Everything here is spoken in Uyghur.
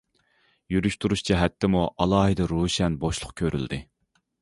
يۈرۈش- تۇرۇش جەھەتتىمۇ ئالاھىدە روشەن بوشلۇق كۆرۈلدى.